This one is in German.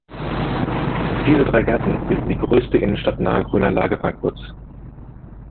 Diese drei Gärten bilden die größte innenstadtnahe Grünanlage Frankfurts.